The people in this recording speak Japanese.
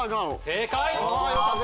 正解。